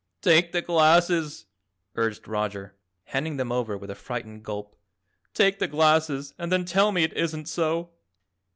"Take the glasses," urged Roger, handing them over with a frightened gulp. "Take the glasses and then tell me it isn't so."